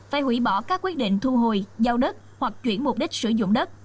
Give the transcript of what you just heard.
phải hủy bỏ các quyết định thu hồi giao đất hoặc chuyển mục đích sử dụng đất